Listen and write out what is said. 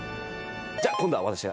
じゃあ今度は私が。